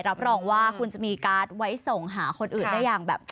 รับรองว่าคุณจะมีการ์ดไว้ส่งหาคนอื่นได้อย่างแบบ